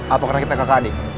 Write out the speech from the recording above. apa karena kita kakak adik